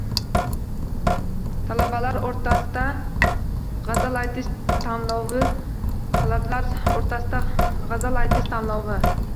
Talabalar o‘rtasida g‘azal aytish tanlovitalabalar o‘rtasida g‘azal aytish tanlovi